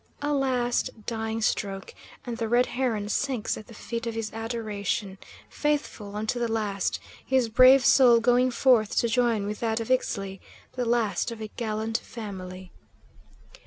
A last, dying stroke, and the Red Heron sinks at the feet of his adoration, faithful unto the last, his brave soul going forth to join with that of Ixtli; the last of a gallant family.